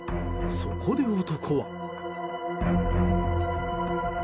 そこで男は。